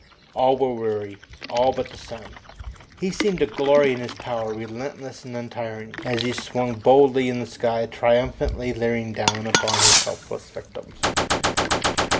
All were weary, all but the sun. He seemed to glory in his power, relentless and untiring, as he swung boldly in the sky, triumphantly leering down upon his helpless victims.